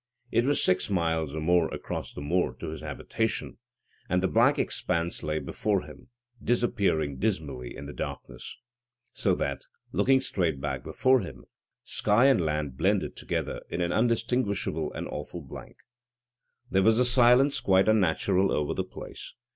It was six miles or more across the moor to his habitation, and the black expanse lay before him, disappearing dismally in the darkness. So that, looking straight before him, sky and land blended together in an undistinguishable and awful blank. There was a silence quite unnatural over the place.